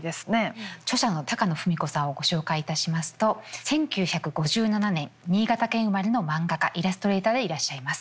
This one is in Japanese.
著者の高野文子さんをご紹介いたしますと１９５７年新潟県生まれのマンガ家イラストレーターでいらっしゃいます。